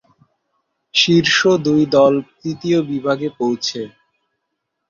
শীর্ষ দুই দল তৃতীয় বিভাগে পৌঁছে।